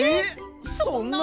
そんなに？